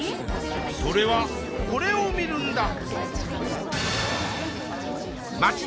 それはこれを見るんだ！